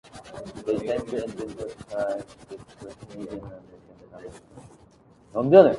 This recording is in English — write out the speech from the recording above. They tend to identify with Canadian or American values, norms and expectations.